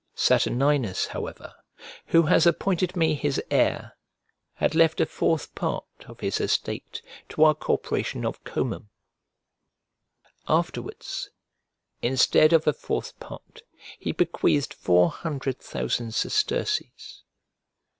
Saturninus, however, who has appointed me his heir, had left a fourth part of his estate to our corporation of Comum; afterwards, instead of a fourth part, he bequeathed four hundred thousand sesterces.